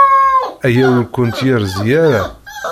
Aya ur kent-yerzi ara.